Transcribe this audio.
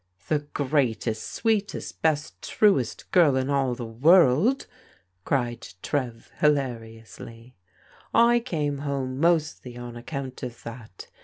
"The greatest, sweetest, best, truest girl in all the world !" cried Trev hilariously. " I came home mostly on account of that.